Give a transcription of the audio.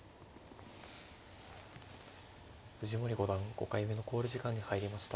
藤森五段５回目の考慮時間に入りました。